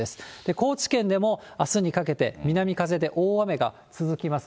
高知県でもあすにかけて、南風で大雨が続きます。